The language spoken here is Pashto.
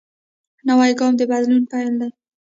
نوی ګام د بدلون پیل دی